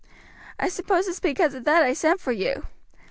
I suppose it's because of that I sent for you.